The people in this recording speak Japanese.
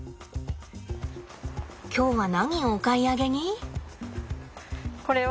今日は何をお買い上げに？